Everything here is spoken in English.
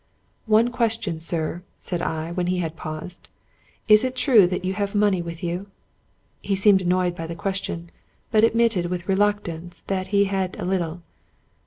" One question, sir," said I, when he had paused. " Is it true that you have money with you ?" He seemed annoyed by the question, but admitted with reluctance that he had a little.